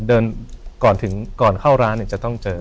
เดินก่อนเข้าร้านเนี่ยจะต้องเจอ